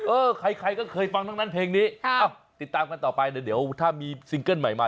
เออใครก็เคยฟังทั้งนั้นเพลงนี้ติดตามกันต่อไปเดี๋ยวถ้ามีซิงเกิ้ลใหม่มา